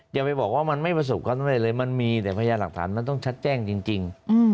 อย่าไปบอกว่ามันไม่ประสบความสำเร็จเลยมันมีแต่พยาหลักฐานมันต้องชัดแจ้งจริง